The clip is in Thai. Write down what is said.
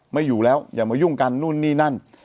ไม่อยู่แล้วอย่ามายุ่งกันนู่นนี่นั่น